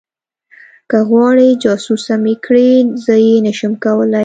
که غواړې جاسوسه مې کړي زه یې نشم کولی